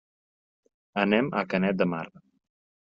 Anem a Canet de Mar.